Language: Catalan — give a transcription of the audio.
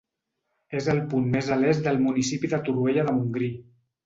És el punt més a l'est del municipi de Torroella de Montgrí.